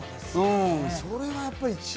それはやっぱり一番。